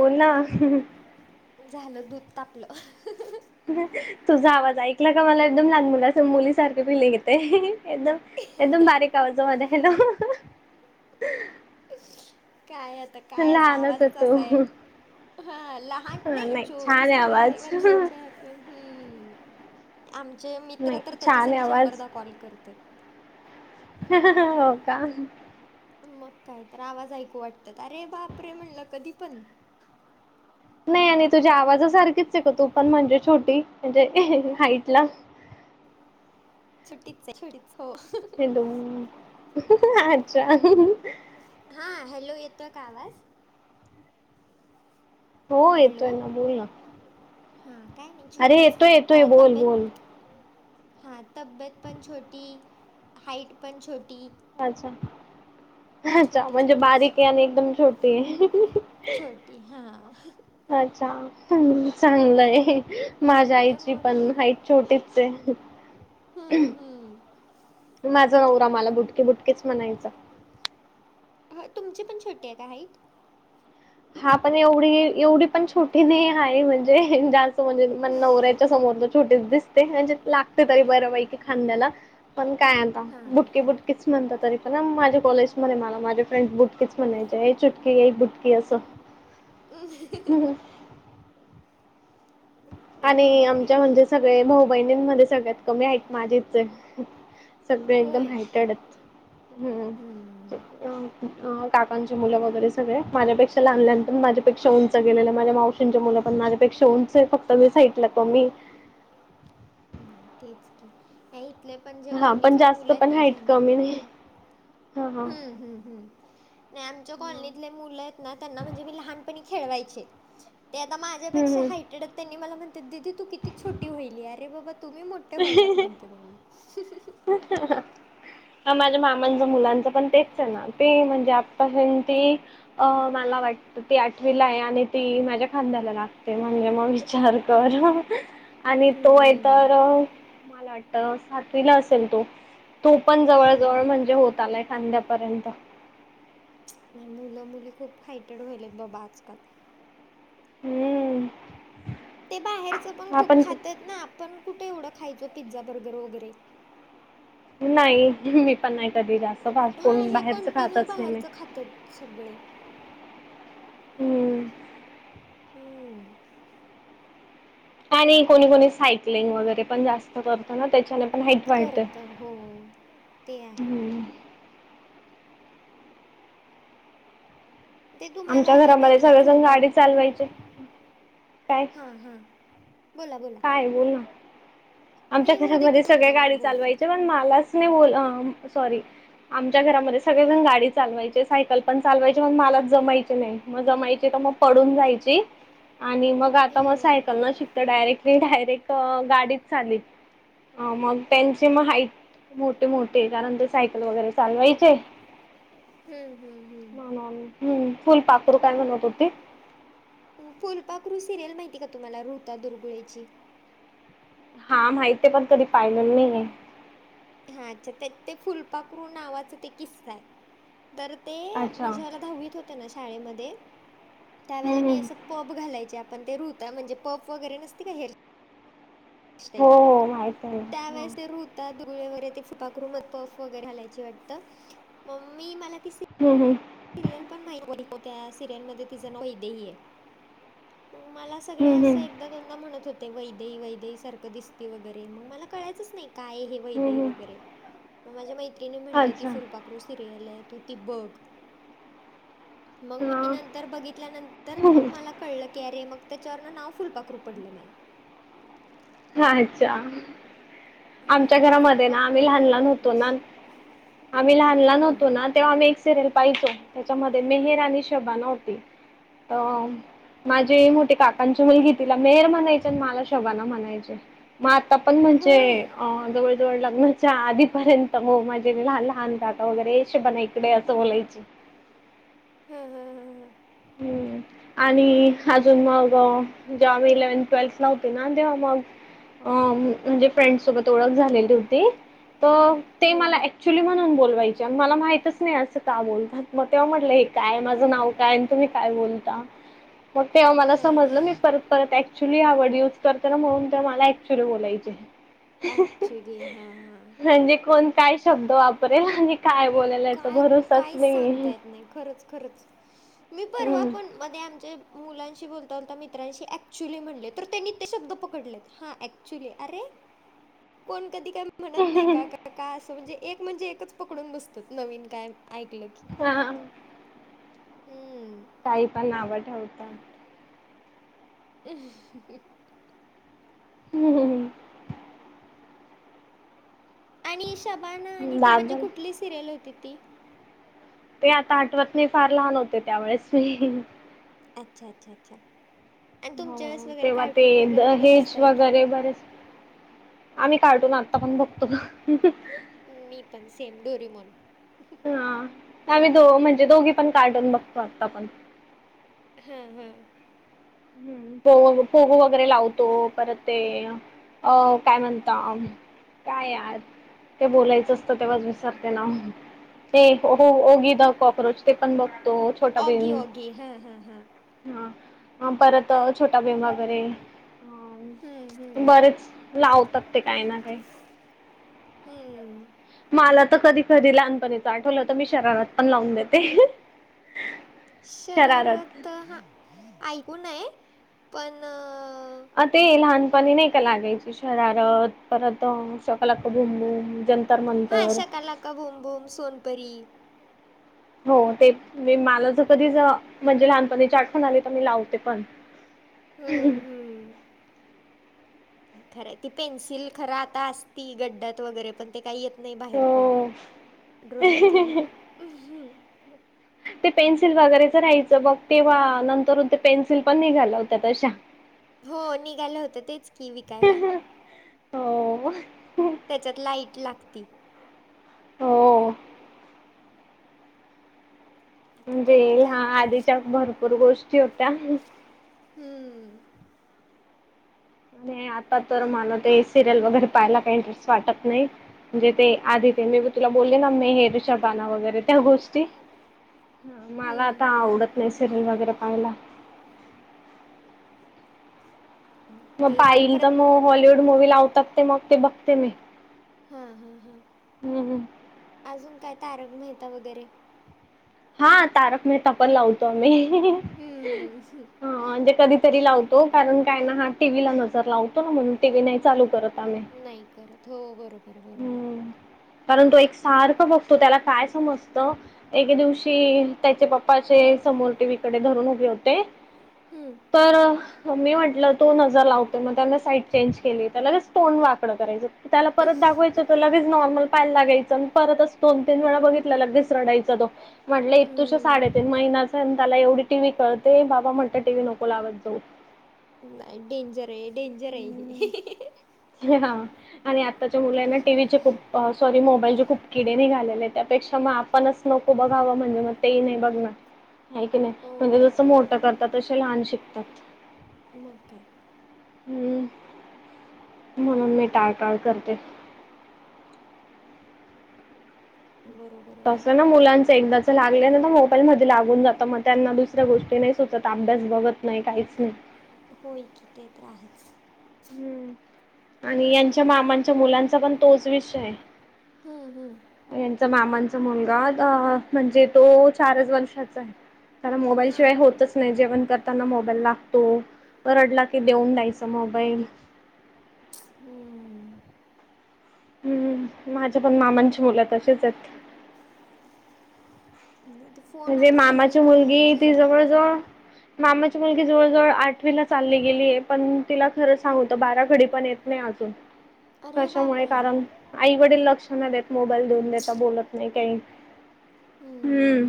पुन्हा झालं, दूध तापलं. तुझा आवाज ऐकला का? मला एकदम लहान मुलाच मुली सारखे फीलिन्ग येतय, एकदम एकदम बारीक आवाजामध्ये हॅलो. काय आता काय? आस आवाजच असा हाय. हा लहान नाही, चोवीस वय वर्षाच्या पण अ आमचे मित्र तर त्याच्यासाठी शंभरदा कॉल करत्यात. हो का? मग काय तर आवाज ऐकू वाटतात? अरे बाप रे! म्हणलं कधी पण. नाही आणि तुझ्या आवाजासारखीच आहे ग तू पण म्हणजे छोटी म्हणजे हाईट ला. छोटीच हाय, छोटीच हो. ते दोन एकदम अच्छा. हा हॅलो, येतोय का आवाज? हो येतोय ना. बोल ना. हा काय नाही छोटीच, अ तब्येत हा तब्येत पण छोटी, हाईट पण छोटी [unintelligible] अच्छा म्हणजे बारीक आहे आणि एकदम छोटी आहे. अ्छा चांगलंय. माझ्या आईची पण, हाईट छोटीच ये. हूम. माझा नवरा मला बुटकी, बुटकीच म्हणायचा. ह तुमची पण छोटी, हाय का हाईट? हा पण एवढी एवढी पण छोटी नाही आहे म्हणजे म्हनजे जास्त म्हणजे म नवऱ्याच्या समोर तर, छोटीच दिसते म्हणजे लागते तरी बऱ्यापैकी खांद्याला पण काय आता बुटकी बुटकीच! म्हणत तरी पण माझे कॉलेज मध्ये मला माझे फ्रेंड बुटकीच म्हणायचे चुटकी ये ई बुटकी अस ह ह! आणि आमच्या म्हणजे सगळे भाऊ बहिणींमध्येध्ये सगळ्यात कमी हाईट माझीच हाय. सगळे एकदम हायटडच हम्म! अ काकांचे मुलं वगैरे सगळे माझ्यापेक्षा लहान लहान माझ्यापेक्षा उंच गेलेलं माझ्या मावशींच्या मुलं पण माझ्यापेक्षा उंच हाय फक्त मी हाईटलं कमी नाही तेच की! इथले पण जे कॉलनीतले मुलं आहेत ना जेन्हां. हम्म हम्म हम्म! न्हाय आमच्या कॉलनीतले मुलं आहेत ना त्यांना म्हणजे मी लहानपणी खेळवायचे ते आता माझ्यापेक्षा हायटेड त्यांनी मला म्हणत्यात दिदी तु किती छोटी होईली अरे बाबा तुम्ही मो ह ह ह! ह ह माझ्या मामांचं मुलांचं पण तेच आहे ना ते म्हणजे आ पण ती अ मला वाटत ती आठवीला आहे आणि ती माझ्या खांद्याला लागते म्हणजे मग विचार कर ह ह ह! आणि तो हाय तर मला वाटत सातवीला असेल तो तो पण जवळ जवळ म्हणजे होत आलाय खांद्यापर्यंत न्हाय मुलं मुली खूप हायटेड व्हायलेत बाबा आजकाल हम्म! ते बाहेरचं पण खूप खातात ना आपण कुठे एवढं खायचो पिझ्झा बर्गर वगैरे नाही मी पण नाही कधी जास्त खात कोण बाहेरच खातच नाही. त्यात सगळे हम्म! हम्म! आणि कोणी कोणी सायकलिंग वगैरे पण जास् त करतो ना त्याच्याने पण हाईट वाढते हम्म. ते तुम्हाला हे माहिती का फुलपा खरू? हा हा बोला बोला! नाही बोल ना. आमच्या घरामध्ये सगळे गाडी चालवायचे पण मलाच नाही बोला सॉरी. आमच्या घरामध्ये सगळेजण गाडी चालवायचे सायकल पण चालवायचे मग मलाच जमायचे नाही मग जमायची तर मग पडून जायची आणि मग आता मग सायकल न शिक तर डायरेक्ट ते डायरेक्ट गाडीत चाली मग त्यांची मग हाईट मोठे मोठे कारण ते सायकल वगैरे चालवायचे व्हय ते हम्म हम्म हम्म! हम्म फुलपाखरु काय म्हणत होती? फुलपाख्ररु सिरियल माहिती का तुम्हाला ऋता दुर्गुळेची? हा माहिती हाय पण कधी पाहिलेलं नाही हाय. हा अच्छा ते ते फुलपाखरू नावाचं ते किस्सा हाय. तर ते मी जेंव्हा दहावीत होते ना शाळेमध्ये त्यावेळेला मी असं पप घालायचे आपण ते ऋता म्हणजे पप वगैरे नसते काय हेअ ईल त्यावेळेस ते रूट... दुळे व ते फुपाकरू, मग पफ वगैरे हालायची वाटतं, मम्मी मला त... हम् हम्. सीरियल पण नाही, त्या सीरियलमध्ये तिज नाव वैदाई आहे मग मला. सगळे असं एक एकदा-दोनदा म्हणत होते, वैदेही, वैदेहीसारखी दिसते, वगैरे. मग मला कळायचंच नाही काय हे व... वैदेही वगैरे. मग माझ्या मैत्रिणी म्हणाल्या, ती फुलपाखरू सीरियल आहे, तू ती बघ. मग मी नंतर बघितल्यानंतर मग मला कळलं की अरे मग त्याच्यावर नाव फुलपाखरू पडलं मला. अच्छा. आमच्या घरामध्ये ना, आम्ही लहान लहान होतो ना, आम्ही लहान लहान होतो ना. तेव्हा आम्ही एक सीरियल पाहायचो. त्याच्यामध्ये मेहेर आणि शबाना होती. हो माझे मोठे काकांची मुलगी तिला मेहेर म्हणायचे आणि मला शबाना म्हणायचे. मग आता पण, म्हणजे अं, जवळ जवळ लग्नाच्या आधीपर्यंत, मग माझे लहान लहान तात वगैरे हशेबण इकडे असं बोलायची. हम्म हम्म हम्म. ह आणि अजून मग जेव्हा मी इलेव्हन-ट्वेल्थला होते ना, तेव्हा मग म्हणजे फ्रेंड्ससोबत ओळख झालेली होती ते मला ॲक्च्युअली म्हणून बोलवायची आणि मला माहीतच नाही असं का बोलतात? मग तेव्हा म्हटलं, हे काय, माझं नाव काय? न, तुम्ही काय बोलता? मग ते मला समजलं. मी पर परत ॲक्च्युअली हा वर्ड यूज करते ना, म्हणून तर मला ॲक्च्युअली बोलायची. म्हणजे कोण काय शब्द वापरेल आणि काय बोलल याचा भरोसाच नाही. नाही, खरंच खरंच, मी परवा पण मध्ये आमच्या मुलांशी बोलता बोलता, मित्रांशी ॲक्च्युअली म्हणाले तर त्यांनी ते शब्द पकडलेत, हं, ॲक् ॲक्चुली अरे कोण कधी का म्हणत नाही का काय असं, म्हणजे एकच पकडून बसतं. नवीन काय ऐकलं की. हां. हम्म. काय पण नाव ठेवत्यात. [inaudible] [inaudible] आणि शबाना आणि ते म्हणजे कुठली सीरियल होती ती? ते आता आठवत नाही, फार लहान होते त्या वेळेस मी. अच्छा, अच्छा, अच्छा. हो तेव्हा ते दहेज वगैरे बरेच आम्ही कार्टून आता पण बघतो. मी पण सेम डोरी मॉन. हा, आम्ही दो म्हणजे दोघी पण कार्टून बघतो, आता पण. हम्म हम्म. हं, पो पो गो वगैरे लावतो, परत ते अं, काय म्हणता काय यार, ते बोलायचंच. च, तेव्हाच विसरते ना. ते हो ओगी द कॉकरोच ते पण बघतो छोटा भीम. हा ह परत. छोटा भीम वगैरे अ बरेच. लावतात ते काय ना काही. मला तर कधी कधी लहानपणीे आठवलं तर मी शरारत पण लावून देते, शरारत. ऐकू नये पण अ ते लहानपणी नाही का लागायचे शरारत परत शाकालाका बुम बुम जन हा शाकालाका भूम भूम, सोनपरी. हो ते म मला जरी कधी म्हणजे लहानपणीची आठवण आली तर मी लावते पण. हम्म ह. खरं ती पेन्सिल खरं आता असती गड्ड्यात वगैरे पण ते काही येत. नाही बाहेर कोण ड्रॉईंग केलंवर. ते पेन्सिल वगैरेचं राहायचं बघ तेव्हा नंतर ते पेन्सिल पण निघाल होत्या तशा. हो निघालं होतं तेच की विकायला. त्याच्यात लाईट लागती. हो. म्हणजे ह्या आधीच्या भरपूर गोष्टी होत्या. हम्म आणि आता तर मला ते सिरियल वगैरे पाहायला काही इंटरेस्ट वाटत नाही. म्हणजे ते आधी ते मी तुला बोलले ना मी हे ऋषबाना वगैरे त्या गोष्टी. मला आता आवडत नाही सिरियल वगैरे पाहायला. मग पाहिल तर मग हॉलिवूड मुव्ही लावतात ते मग ते बघते मी. हा हा हा हम्. अजून काय तारक मेहता वगैरे. हा तारक मेहता पण लावतो आम्ही. ह म्हणजे कधीतरी लावतो कारण काय ना टी व्ही ला नजर लावतो ना म्हणून. टीव्ही नाही चालू करत आम्ही, हम्म कारण तो एक सारख बघतो त्याला काय समजतं एक दिवशी. ते त्याचे पप्पाचे समोर टीव्ही कडे धरून उभे होते तर. मग मी म्हटलं तो नजर लावतोय, मग त्यांना साईट चेंज केली, त्याला ते तोन वाकडं करायचं. त्याला परत दाखवायचं. तो लगेच नॉर्मल पाहायला लागायचं, आणि परतच दोन तीन वेळा बघितलं लगेच रडायचा तो. म्हटलं इ तुश साडेतीन महिन्याच त्याला एवढी टी व्ही कळते बाबा म्हणतं टीव्ही नको लावत जाऊ. डेंजर आहे डेंजर आहे. हा आणि आताच्या मुलांना टीव्हीचे खूप. सॉरी मोबाईल जे खूप किडे निघालेले, त्यापेक्षा मग आपणच नको बघावं म्हणजे मग तेही नाही बघणार. [unintelligible] नाही की नाही म्हणजे जसं मोठं करतात तसे लहान शिकतात. मग काय. हम्म म्, हणून मी टाळ टाळ करते. बरं तसं ना मुलांच एकदाच लागलं ना तर मोबाईल मध्ये लागून जातं, मग त्यांना दुसऱ्या गोष्टी नाही सुचत अभ्यास बघत. नाही काहीच नाही. होय की ते तर आहेच. हम्म आणि यांच्या मामांच्या मुलांचा पण तोच विषय आहे. हम्म हम्म यांचा मामांचा मुलगा अ म्हणजे तो चारच वर्षाचा आहे. त्याला मोबाईल शिवाय होतच नाही. नाही जेवण करताना मोबाईल लागतो तो रडला की देऊन द्यायच मोबाईल. हम्म हम्म माझ्या पण मामांची मुलं तशीच आहेत. लय फोन म्हणजे मामाची मुलगी ती जवळ जवळ- मामाची मुलगी जवळजवळ आठवी ला चालली गेली आहे पण तिला खरं सांगूतं बाराखडी पण येत नाही अजून, [unintelligible] कशामुळे कारण. आई वडील लक्ष न देत मोबाईल देऊन देता बोलत नाही काही हम्म.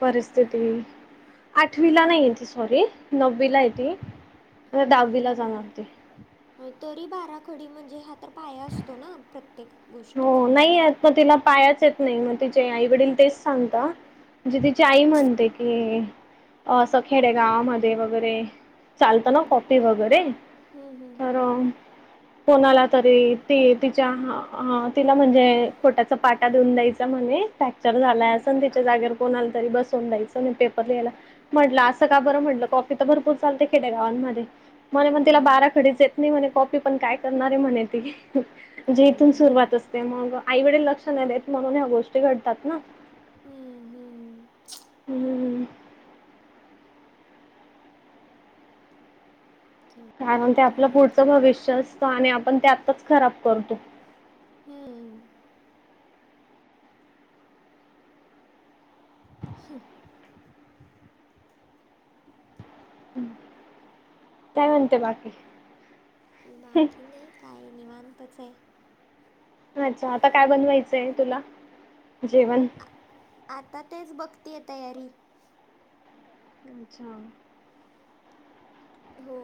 परिस्थिती, आठवीला नाही ती सॉरी नववीला आहे ती‌. दहावीला जाणार होती. तरी बाराखडी म्हणजे हा तर पाया असतो ना प्रत्येक- हो नाही आ म तिला पायाच येत नाही मग तिचे आई वडील तेच सांगत- म्हणजे तिची आई म्हणते की, असखेडे गावामध्ये वगैरे चालतं ना कॉफी वगैरे, तर कोणाला तरी ती तिच्या, अ तिला म्हणजे खोट्याचा पाटा देुऊन द्यायचा म्हणे, फ्रॅक्चर झाला अस आणि तिच्या जागेवर कोण आला तरी बस- बसवुन दायचं नाही पेपर लिहायला, म्हटलं असं का बरं म्हटलं कॉफी तर भरपूर चालते त्या गावांमध्ये. म्हणे पण तिला बारा खडीच येत नाही म्हणे कॉपी पण काय करणारे म्हणे ती, जे इथून सुरुवात असते, मग आई वडील लक्ष नाही देत म्हणून ह्या गोष्टी घडतात ना. हम्म हम्म हम् कारण ते आपलं पुढचं भविष्य असतं, आणि आपण ते आत्ताच खराब करतो. हम् काय म्हणते बाकी? आणि बाकी नाही काय निवांतच आहे‌. अच्छा! आता काय बनवायचंय तुला जेवण? आता तेच बघते आहे तयारी. अच्छा! हो